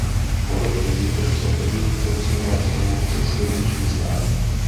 O rok později podepsal první profesionální smlouvu se silniční stájí.